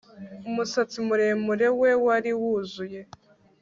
Umusatsi muremure we wari wuzuye